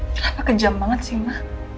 kenapa kejam banget sih mak